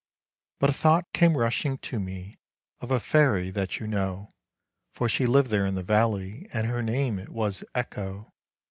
But a thought came rushing to me of a fairy that you know; For she lived there in the valley and her name it was Echo.